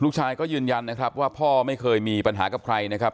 ลูกชายก็ยืนยันนะครับว่าพ่อไม่เคยมีปัญหากับใครนะครับ